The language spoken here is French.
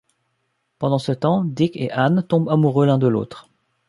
Pendant ce temps, Dick et Ann tombent amoureux l'un de l'autre...